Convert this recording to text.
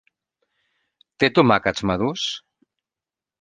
Té tomàquets madurs?